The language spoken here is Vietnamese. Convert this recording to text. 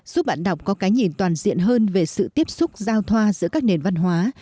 giúp bạn đọc có cái nhìn toàn diện hơn về sự tiếp xúc giao thoa giữa các nền văn hóa